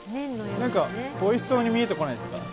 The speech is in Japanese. なんかおいしそうに見えてこないですか？